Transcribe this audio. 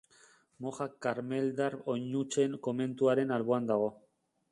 Moja Karmeldar Oinutsen komentuaren alboan dago.